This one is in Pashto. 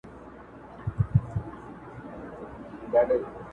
کورنۍ ته وخت ورکړې